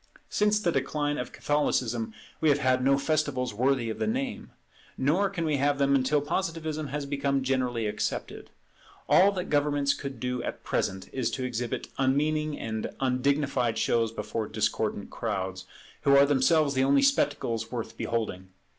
Since the decline of Catholicism we have had no festivals worthy of the name; nor can we have them until Positivism has become generally accepted. All that governments could do at present is to exhibit unmeaning and undignified shows before discordant crowds, who are themselves the only spectacles worth beholding.